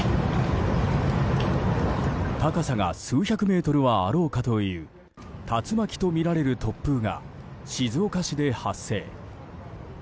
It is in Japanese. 高さが数百メートルはあろうかという竜巻とみられる突風が静岡市で発生。